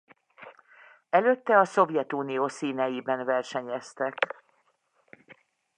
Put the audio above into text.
Előtte a Szovjetunió színeiben versenyeztek.